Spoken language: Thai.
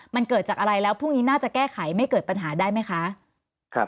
มันเกิดจากอะไรแล้วพรุ่งนี้น่าจะแก้ไขไม่เกิดปัญหาได้ไหมคะ